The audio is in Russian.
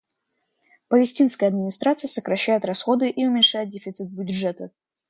Палестинская администрация сокращает расходы и уменьшает дефицит бюджета.